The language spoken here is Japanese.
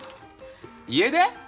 家出！？